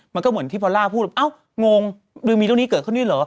มันก็เหมือนที่พอนร่าพูดเอ้างงมีเรื่องนี้เกิดขึ้นนี่หรอ